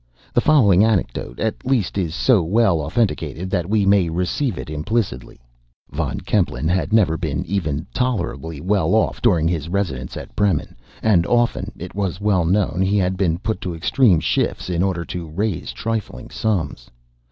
The following anecdote, at least, is so well authenticated, that we may receive it implicitly. Von Kempelen had never been even tolerably well off during his residence at Bremen; and often, it was well known, he had been put to extreme shifts in order to raise trifling sums.